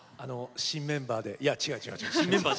新メンバーでいや違う違う違う。